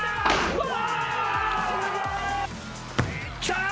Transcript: うわ。